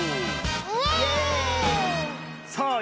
さあ